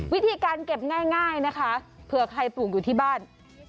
วิธีการเก็บง่ายนะคะเผื่อใครปลูกอยู่ที่บ้าน